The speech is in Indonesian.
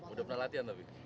udah pernah latihan tapi